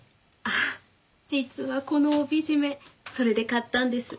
あっ実はこの帯締めそれで買ったんです。